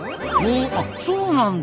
あそうなんだ。